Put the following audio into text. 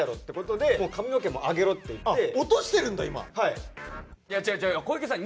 いや違う違う小池さん